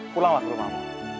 pulanglah ke rumahmu